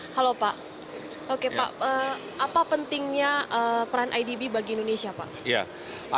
halo pak apa pentingnya peran idb bagi indonesia